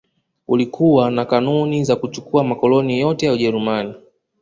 Ulikuwa na kanuni za kuchukua makoloni yote ya Ujerumani